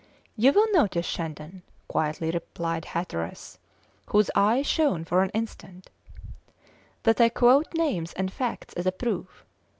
"You will notice, Shandon," quietly replied Hatteras, whose eye shone for an instant, "that I quote names and facts as a proof.